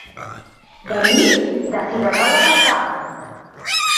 Venim de Figuerola del Camp.